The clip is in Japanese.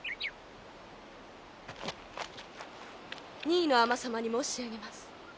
二位の尼様に申し上げます。